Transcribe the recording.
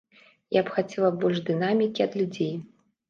Я б хацела больш дынамікі ад людзей.